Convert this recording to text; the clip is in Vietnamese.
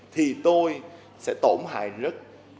thì tôi sẽ tổn hại rất